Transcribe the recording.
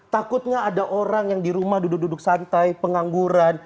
takutnya ada orang yang di rumah duduk duduk santai pengangguran